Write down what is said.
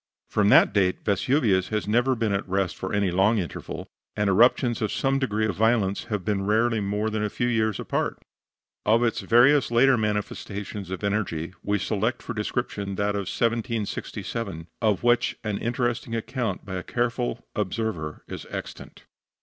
From that date Vesuvius has never been at rest for any long interval, and eruptions of some degree of violence have been rarely more than a few years apart. Of its various later manifestations of energy we select for description that of 1767, of which an interesting account by a careful observer is extant.